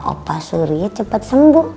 opa surya cepet sembuh